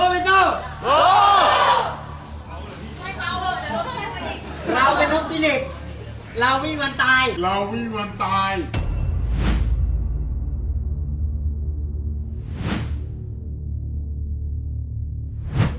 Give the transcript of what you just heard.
เรามีมันตาย